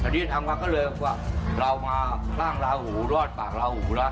อันนี้ทางวัดก็เลยว่าเรามาสร้างราหูรอดปากราหูละ